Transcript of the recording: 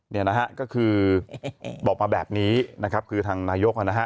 เนี่ยนะฮะก็คือบอกมาแบบนี้นะครับคือทางนายกนะฮะ